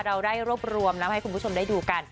เราได้รวบรวมนำมาให้คุณผู้ชมได้ดูกัน